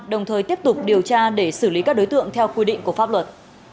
đồng thời tiếp tục điều tra để xử lý các đối tượng theo quy định của pháp luật